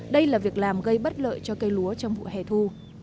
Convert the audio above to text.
đây là việc làm gây bất lợi cho cây lúa trong vụ hẻ thu